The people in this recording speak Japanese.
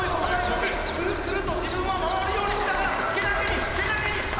クルックルッと自分は回るようにしながらけなげにけなげに上がっている！